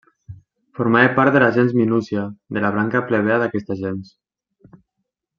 Formava part de la gens Minúcia, de la branca plebea d'aquesta gens.